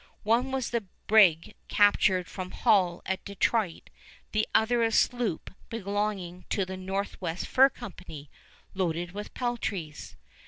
One was the brig captured from Hull at Detroit, the other a sloop belonging to the Northwest Fur Company, loaded with peltries.